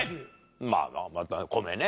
まあまあ米ね。